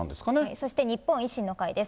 そして日本維新の会です。